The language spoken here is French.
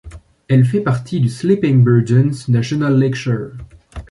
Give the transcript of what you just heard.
Elle fait partie du Sleeping Bear Dunes National Lakeshore.